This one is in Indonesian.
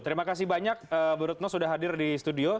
terima kasih banyak bu rutno sudah hadir di studio